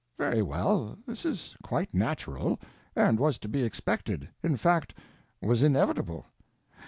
Very well, this is quite natural, and was to be expected; in fact, was inevitable.